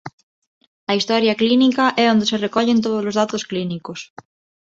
A historia clínica é onde se recollen todos os datos clínicos.